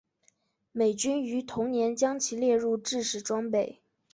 美军于同年将其列入制式装备。